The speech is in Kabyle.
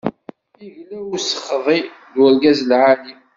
Igla, usexḍi, d urgaz lɛali.